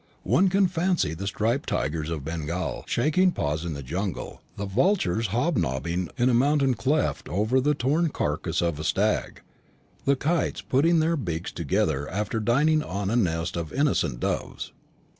One can fancy the striped tigers of Bengal shaking paws in the jungle, the vultures hob nobbing in a mountain cleft over the torn carcass of a stag, the kites putting their beaks together after dining on a nest of innocent doves.